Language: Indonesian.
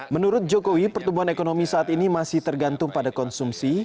menurut jokowi pertumbuhan ekonomi saat ini masih tergantung pada konsumsi